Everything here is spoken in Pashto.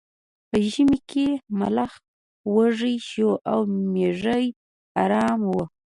په ژمي کې ملخ وږی شو او میږی ارامه وه.